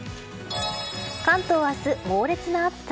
関東は明日、猛烈な暑さ。